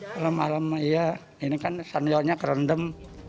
malam malam ini kan sandalnya kerendam